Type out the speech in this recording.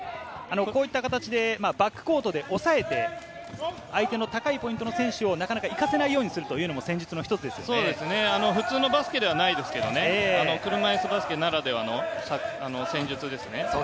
バックコートで抑えて、相手の高いポイントの選手を行かせないようにするというのも戦術普通のバスケではないですけど、車いすバスケならではの戦術ですね。